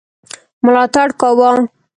ملاتړ کاوه.